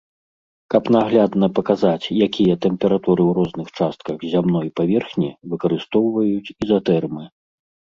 Каб наглядна паказаць, якія тэмпературы ў розных частках зямной паверхні, выкарыстоўваюць ізатэрмы.